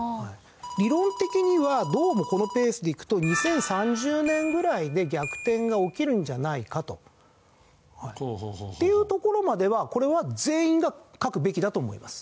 理論的にはどうもこのペースでいくと２０３０年ぐらいで逆転が起きるんじゃないかと。っていうところまではこれは全員が書くべきだと思います。